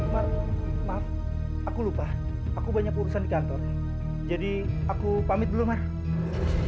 mak maaf aku lupa aku banyak urusan di kantor jadi aku pamit dulu mak